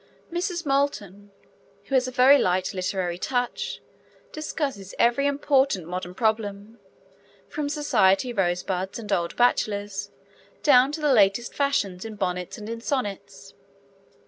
Mrs. Moulton, who has a very light literary touch, discusses every important modern problem from Society rosebuds and old bachelors, down to the latest fashions in bonnets and in sonnets.